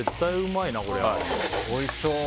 おいしそう。